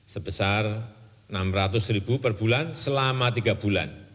sebesar rp enam ratus ribu per bulan selama tiga bulan